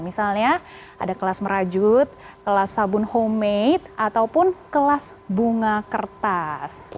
misalnya ada kelas merajut kelas sabun homemade ataupun kelas bunga kertas